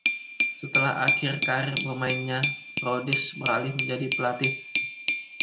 Setelah akhir karier bermainnya, Rhodes beralih menjadi pelatih.